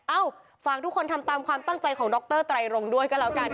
เอ้าฝากทุกคนทำตามความตั้งใจของดรไตรรงด้วยก็แล้วกัน